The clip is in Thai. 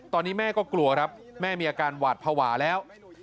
ตอนนี้แม่ก็กลัวครับแม่มีอาการหวาดภาวะแล้ว